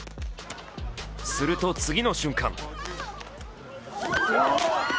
すると、次の瞬間。